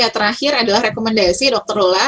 terakhir adalah rekomendasi dokter lola